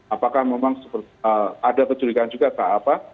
apakah memang ada kecurigaan juga atau apa